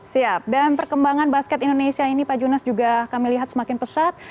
siap dan perkembangan basket indonesia ini pak junas juga kami lihat semakin pesat